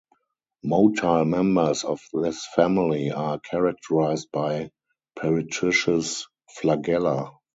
Motile members of this family are characterized by peritrichous flagella.